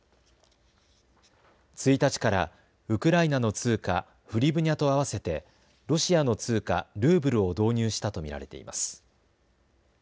１日からウクライナの通貨フリブニャと併せてロシアの通貨ルーブルを導入したと見られています。